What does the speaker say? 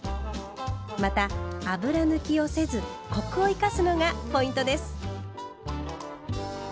また油抜きをせずコクを生かすのがポイントです。